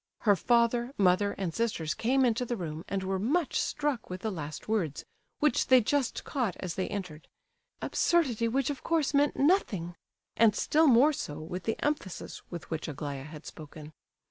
Her father, mother, and sisters came into the room and were much struck with the last words, which they just caught as they entered—"absurdity which of course meant nothing"—and still more so with the emphasis with which Aglaya had spoken.